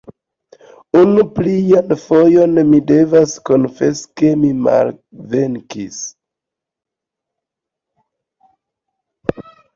Unu plian fojon mi devas konfesi ke mi malvenkis.